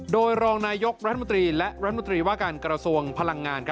โดยรองนายกรัฐมนตรีและรัฐมนตรีว่าการกระทรวงพลังงาน